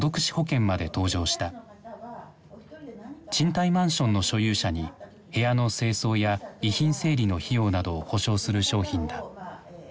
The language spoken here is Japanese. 賃貸マンションの所有者に部屋の清掃や遺品整理の費用などを保証する商品だ。